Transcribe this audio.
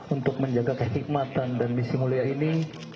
untuk menjaga kehikmatan dan misi mulia ini